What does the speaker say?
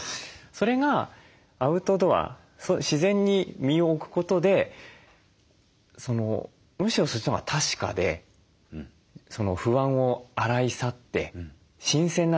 それがアウトドア自然に身を置くことでむしろそっちのほうが確かでその不安を洗い去って新鮮な自分になるっていう。